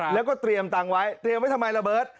แล้วก็เตรียมตังค์ไว้เตรียมไว้ทำไมระเบิร์ต